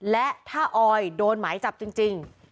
และถ้าออยโดนหมายจับจริง